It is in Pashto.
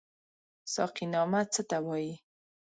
ساقينامه څه ته وايي؟